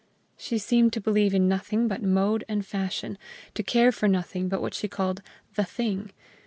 She seemed to believe in nothing but mode and fashion, to care for nothing but what she called "the thing."